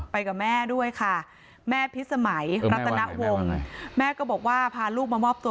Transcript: กับแม่ด้วยค่ะแม่พิษสมัยรัตนวงแม่ก็บอกว่าพาลูกมามอบตัว